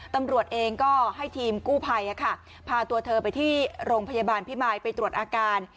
ตำรวจเองก็ให้ทีมกู้ภัยพาตัวเธอไปที่โรงพยาบาลพิมายไปตรวจอาการ